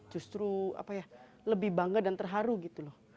justru apa ya lebih bangga dan terharu gitu loh